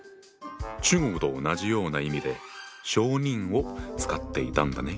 中国と同じような意味で小人を使っていたんだね。